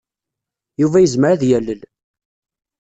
Yuba yezmer ad d-yalel.